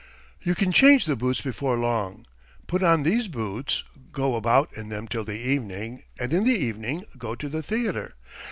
"You can change the boots before long. Put on these boots, go about in them till the evening, and in the evening go to the theatre.